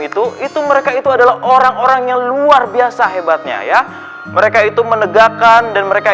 itu itu mereka itu adalah orang orang yang luar biasa hebatnya ya mereka itu menegakkan dan mereka